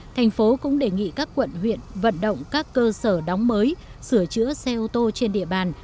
thành phố cũng đề nghị các quận huyện vận động các cơ sở đóng mới sửa chữa xe ô tô trên địa bàn